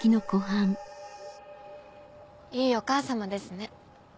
いいお母様ですね。